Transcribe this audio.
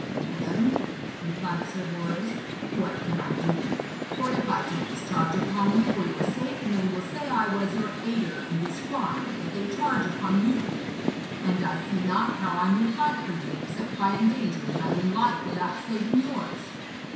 'Madam,' replied Sir Bors, 'what can I do? For if I take this charge upon me for your sake, men will say I was your aider in this crime that they charge upon you. And I see not how I may fight for you except by endangering my own life without saving yours.